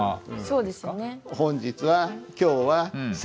そうですよね。